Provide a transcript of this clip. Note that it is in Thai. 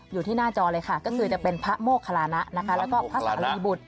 อยู่ที่หน้าจอเลยค่ะก็คือจะเป็นพระโมคลานะนะคะแล้วก็พระสารีบุตร